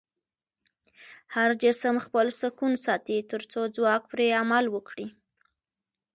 هر جسم خپل سکون ساتي تر څو ځواک پرې عمل وکړي.